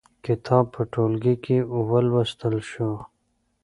کتاب په ټولګي کې ولوستل شو.